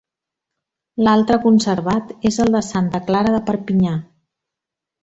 L'altre conservat és el de Santa Clara de Perpinyà.